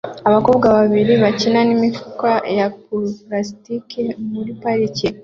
Abakobwa babiri bakina n'imifuka ya pulasitike muri parike